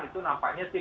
itu nampaknya sih